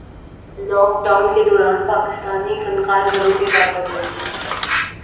lock Dawn کے دوران پاکستانی فنکار گھروں میں کیا کررہے ہیں